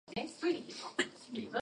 He is of Welsh descent.